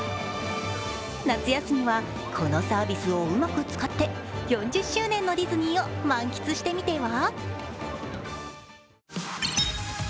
夏休みはこのサービスをうまく使って４０周年のディズニーを満喫してみては。